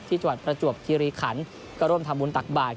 จังหวัดประจวบคิริขันก็ร่วมทำบุญตักบาท